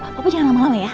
papa jangan lama lama ya